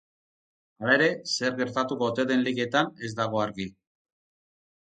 Halere, zer gertatuko ote den ligetan ez dago argi.